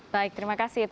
baik terima kasih